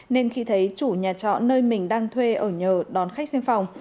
nên khi thấy chủ nhà trọ nơi mình đang thuê ở nhờ đón khách xem phòng